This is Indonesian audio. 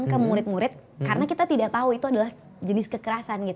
ke murid murid karena kita tidak tahu itu adalah jenis kekerasan